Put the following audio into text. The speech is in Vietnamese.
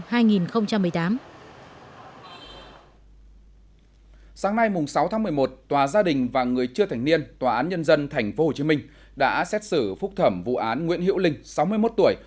sáng nay sáu tháng một mươi một tòa gia đình và người chưa thành niên tòa án nhân dân tp hcm đã xét xử phúc thẩm vụ án nguyễn hiệu linh sáu mươi một tuổi